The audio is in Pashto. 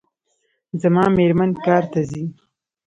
زما میرمن کار ته ځي